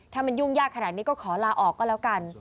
ถ้ามันยุ่งยากขนาดนี้ก็ขอลาออกก็แล้วกัน